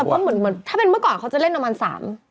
แต่ถ้าเป็นเมื่อก่อนเขาจะเล่นนามัน๓บาท